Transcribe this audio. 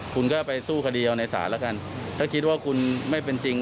คุณก็ไปสู้คดีอันไหนสารครับค่ะถ้าคิดว่าคุณไม่เป็นจริง